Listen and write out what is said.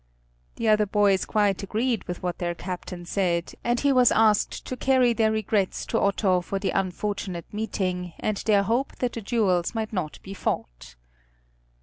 The other boys quite agreed with what their captain said, and he was asked to carry their regrets to Otto for the unfortunate meeting and their hope that the duels might not be fought.